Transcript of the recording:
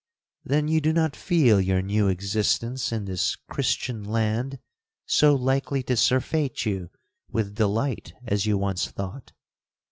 '—'Then you do not feel your new existence in this Christian land so likely to surfeit you with delight as you once thought?